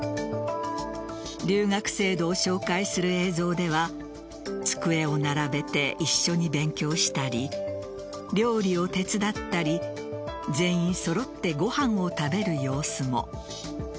留学制度を紹介する映像では机を並べて一緒に勉強したり料理を手伝ったり全員揃ってご飯を食べる様子も。